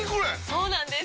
そうなんです！